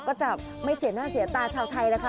ก็จะไม่เสียหน้าเสียตาชาวไทยแล้วค่ะ